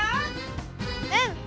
うん！